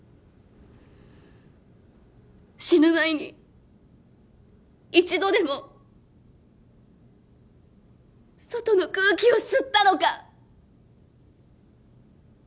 死ぬ前に一度でも外の空気を吸ったのか。